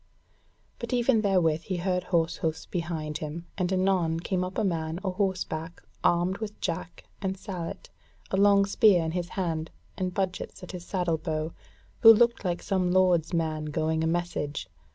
But even therewith he heard horsehoofs behind him, and anon came up a man a horseback, armed with jack and sallet, a long spear in his hand, and budgets at his saddle bow, who looked like some lord's man going a message.